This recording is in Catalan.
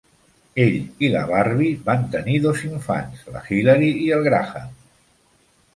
Ell i la Barbie van tenir dos infants: la Hilary i el Graham.